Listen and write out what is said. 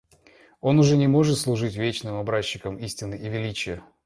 Он уже не может служить вечным образчиком истины и величия.